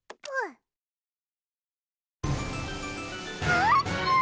あーぷん！